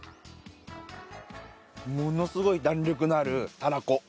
ものすごい弾力のあるタラコ。